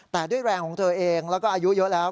แต่ด้วยแรงของเธอเองแล้วก็อายุเยอะแล้ว